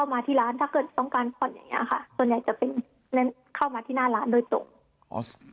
ส่วนใหญ่จะเป็นเข้ามาที่หน้าร้านโดยตรง